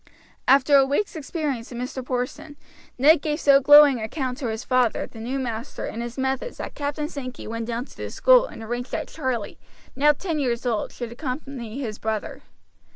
After a week's experience of Mr. Porson, Ned gave so glowing an account to his father of the new master and his methods that Captain Sankey went down to the school and arranged that Charlie, now ten years old, should accompany his brother.